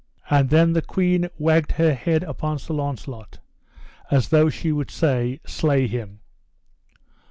And then the queen wagged her head upon Sir Launcelot, as though she would say: Slay him.